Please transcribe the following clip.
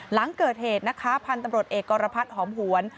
หลังเกิดเหตุนะคะพันธุ์ตำรวจเอกกรพัฒน์หอมหวน